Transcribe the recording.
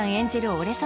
俺様